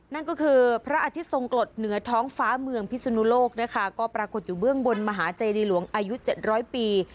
นั่นก็คือพระอาทิตย์ทรงกฎเหนือท้องฟ้าเมืองพิศนุโลกนะคะก็ปรากฏอยู่เบื้องบนมหาเจดีหลวงอายุ๗๐๐ปี